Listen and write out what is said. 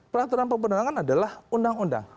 peraturan perundang undangan adalah undang undang